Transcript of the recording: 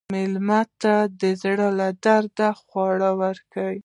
مېلمه ته د زړه له درده خواړه ورکړه.